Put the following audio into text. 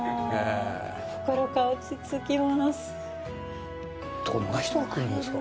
心が落ち着きます。